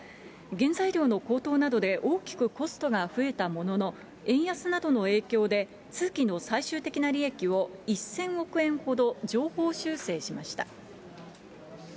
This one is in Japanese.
原材料の高騰などで大きくコストが増えたものの、円安などの影響で、通期の最終的な利益を１０００億円ほど上方修正しました。